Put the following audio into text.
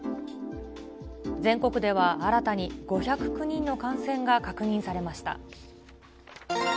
全国では新たに５０９人の感染が確認されました。